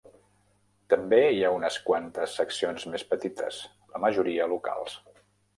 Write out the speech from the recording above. També hi ha unes quantes seccions més petites, la majoria locals.